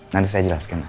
nanti saya jelaskan pak